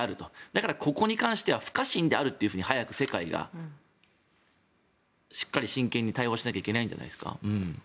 だからここに関しては不可侵であるというふうに早く世界がしっかり真剣に対応しなきゃいけないんじゃないですか。